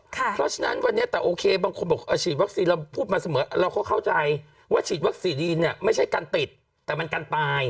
เพราะฉะนั้นวันนี้แต่โอเคบางคนบอกฉีดวัคซีนเราพูดมาเสมอเราก็เข้าใจว่าฉีดวัคซีนดีนเนี่ยไม่ใช่การติดแต่มันกันตาย